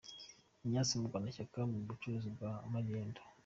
Ignace Murwanashyaka mu bucuruzi bwa Magendu